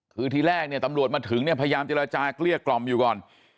คือที่แรกเนี่ยตำรวจมาถึงเนี่ยพยายามเจรจาเกลี้ยกล่อมอยู่ก่อน